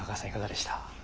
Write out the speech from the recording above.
いかがでした？